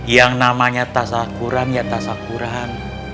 yang namanya tas syakuran ya tas syakuran